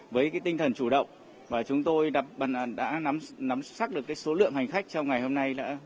với cái tinh thần chủ động và chúng tôi đã nắm sắc được cái số lượng hành khách trong ngày hôm nay